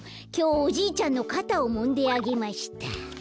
きょう「おじいちゃんのかたをもんであげました」。